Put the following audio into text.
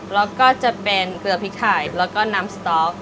แล้วก็จะเป็นเกลือพริกไทยแล้วก็น้ำสต๊อก